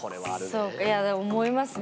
そうかいやでも思いますね。